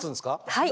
はい。